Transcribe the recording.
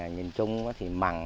nhìn chung mặt